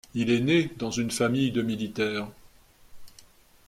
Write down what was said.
Il est né dans une famille de militaire.